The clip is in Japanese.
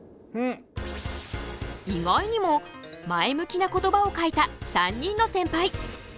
意外にも前向きな言葉を書いた３人のセンパイ。